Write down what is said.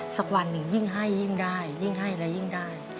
สักวันหนึ่งยิ่งให้ยิ่งได้ยิ่งให้และยิ่งได้